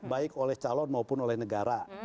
baik oleh calon maupun oleh negara